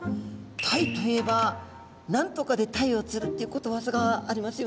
タイといえば「何とかで鯛を釣る」っていうことわざがありますよね。